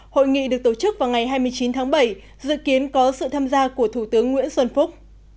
hội nghị được tổ chức vào ngày hai mươi chín tháng bảy dự kiến có sự tham gia của thủ tướng nguyễn xuân phúc